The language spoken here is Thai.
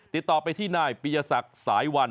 ติดต่อไปที่นายปียศักดิ์สายวัน